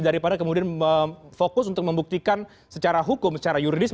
daripada kemudian fokus untuk membuktikan secara hukum secara yuridis